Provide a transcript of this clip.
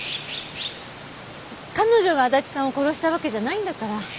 彼女が足立さんを殺したわけじゃないんだから。